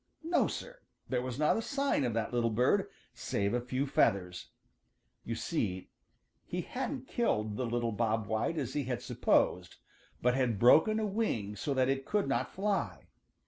No, Sir, there was not a sign of that little bird save a few feathers. You see, he hadn't killed the little Bob White as he had supposed, but had broken a wing so that it could not fly.